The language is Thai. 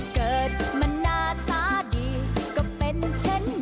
เกิดมันหน้าตาดีก็เป็นเช่นนั้นแหละค่ะ